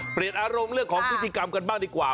เปลี่ยนอารมณ์เรื่องของพิธีกรรมกันบ้างดีกว่า